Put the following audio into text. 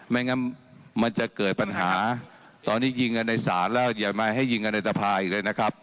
ไม่งั้นมันจะเกิดปัญหาตอนนี้ยิงกันในศาลแล้วอย่ามาให้ยิงกันในสภาอีกเลยนะครับ